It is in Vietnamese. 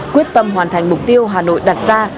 quyết tâm hoàn thành mục tiêu hà nội đặt ra